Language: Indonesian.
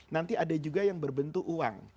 nanti ada juga yang berbentuk uang